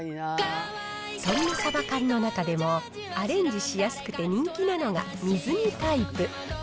そんなサバ缶の中でも、アレンジしやすくて人気なのが水煮タイプ。